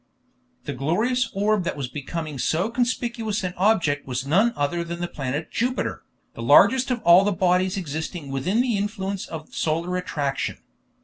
The glorious orb that was becoming so conspicuous an object was none other than the planet Jupiter, the largest of all the bodies existing within the influence of solar attraction.